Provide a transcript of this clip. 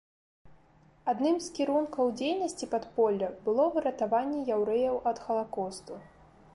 Адным з кірункаў дзейнасці падполля было выратаванне яўрэяў ад халакосту.